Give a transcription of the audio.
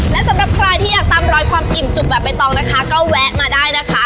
และสำหรับใครที่อยากตามรอยความอิ่มจุกแบบใบตองนะคะก็แวะมาได้นะคะ